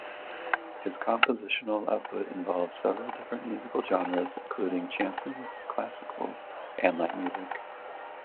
His compositional output involved several different musical genres, including chansons, classical, and light music.